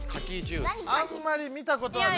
あんまり見たことはないですけど。